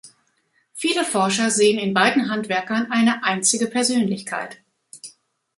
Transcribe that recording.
Viele Forscher sehen in beiden Handwerkern eine einzige Persönlichkeit.